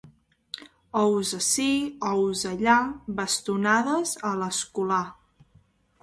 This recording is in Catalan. Ous ací, ous allà, bastonades a l'escolà.